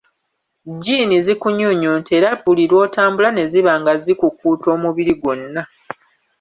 Jjiini zikunyunyunta era buli lw’otambula ne ziba nga zikukuuta omubiri gwonna.